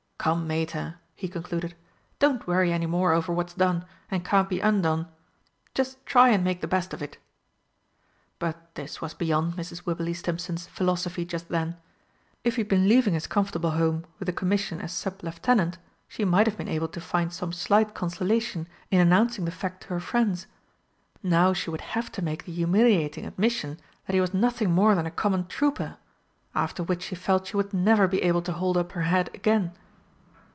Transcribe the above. Come, Mater," he concluded, "don't worry any more over what's done and can't be undone just try and make the best of it!" But this was beyond Mrs. Wibberley Stimpson's philosophy just then. If he had been leaving his comfortable home with a commission as sub lieutenant, she might have been able to find some slight consolation in announcing the fact to her friends. Now she would have to make the humiliating admission that he was nothing more than a common trooper after which she felt she would never be able to hold up her head again!